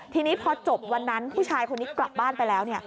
ทีนี้พอจบวันนั้นผู้ชายคนนี้กลับบ้านไปแล้ว